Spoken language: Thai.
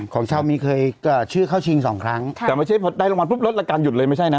ของชาวมีเคยชื่อเข้าชิงสองครั้งแต่ไม่ใช่พอได้รางวัลปุ๊บลดรายการหยุดเลยไม่ใช่นะ